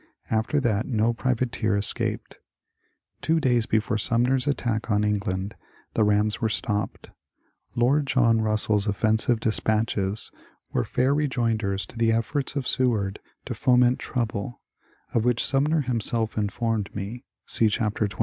After that no privateer escaped ; two days before Sumner's attack on England, the rams were stopped. Lord John Bussell's ^^ offensive " despatches were fair rejoinders to the efforts of Seward to foment trouble, of which Sumner himself informed me (see chapter xxii).